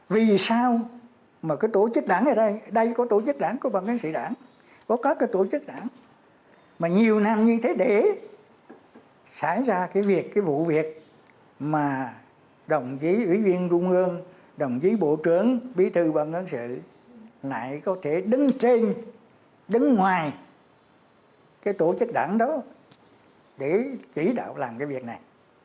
vì sao mà cái tổ chức đảng ở đây ở đây có tổ chức đảng có bàn cán sự đảng có các cái tổ chức đảng mà nhiều năm như thế để xảy ra cái việc cái vụ việc mà đồng chí ủy viên trung ương đồng chí bộ trưởng bí thư bàn cán sự này có thể đứng trên đứng ngoài cái tổ chức đảng đó để chỉ đạo làm cái việc này